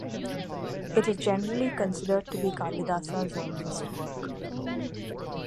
It is generally considered to be Kaldiasa's earliest work.